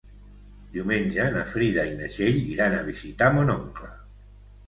Diumenge na Frida i na Txell iran a visitar mon oncle.